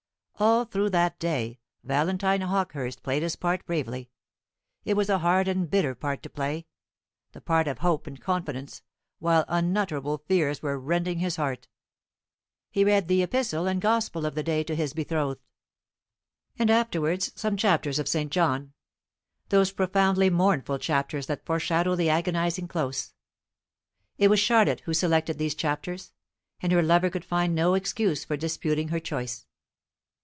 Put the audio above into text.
All through that day Valentine Hawkehurst played his part bravely: it was a hard and bitter part to play the part of hope and confidence while unutterable fears were rending his heart. He read the epistle and gospel of the day to his betrothed; and afterwards some chapters of St. John those profoundly mournful chapters that foreshadow the agonising close. It was Charlotte who selected these chapters, and her lover could find no excuse for disputing her choice.